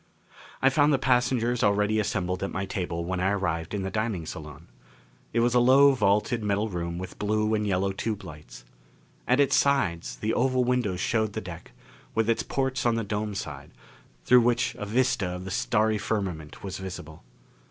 I found the passengers already assembled at my table when I arrived in the dining salon. It was a low vaulted metal room with blue and yellow tube lights. At its sides the oval windows showed the deck, with its ports on the dome side, through which a vista of the starry firmament was visible.